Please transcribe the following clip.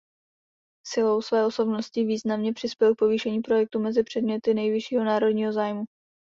Silou své osobnosti významně přispěl k povýšení projektu mezi předměty nejvyššího národního zájmu.